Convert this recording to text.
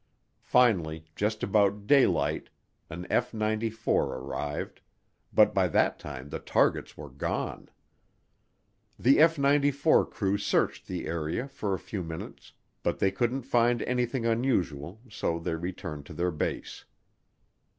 Finally, just about daylight, an F 94 arrived, but by that time the targets were gone. The F 94 crew searched the area for a few minutes but they couldn't find anything unusual so they returned to their base.